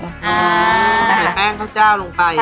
อ๋อใส่แป้งข้าวจ้าวลงไปนะ